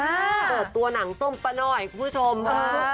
อ่าเปิดตัวหนังส้มปะนอยคุณผู้ชมอ้าว